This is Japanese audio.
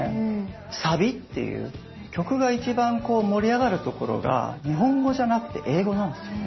サビっていう曲が一番こう盛り上がるところが日本語じゃなくて英語なんですよね。